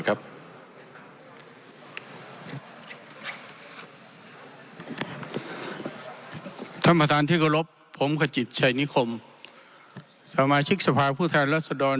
ท่านประธานทิกลบผมขจิตชัยนิคมสมาชิกสภาพผู้ทางรัฐสดร